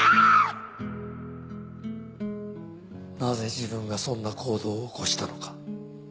「なぜ自分がそんな行動を起こしたのか」